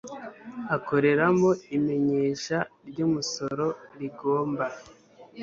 akoreramo imenyesha ry umusoro rigomba